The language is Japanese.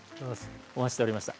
お待ちしておりました。